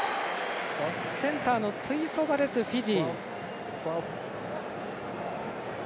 センターのテュイソバですフィジー。